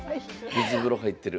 水風呂入ってる。